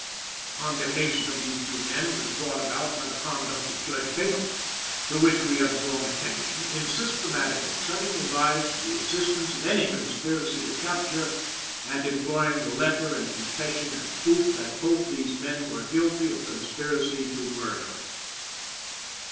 The condemnation of these two men was brought about by the conduct of Judge Bingham, to which we have drawn attention, in systematically shutting his eyes to the existence of any conspiracy to capture, and employing the letter and confession as proof that both these men were guilty of conspiracy to murder.